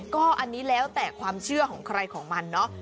ก็อันนี้แล้วแต่ความเชื่อของใครของมันเนาะ